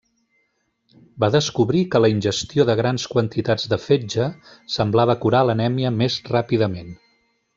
Va descobrir que la ingestió de grans quantitats de fetge semblava curar l'anèmia més ràpidament.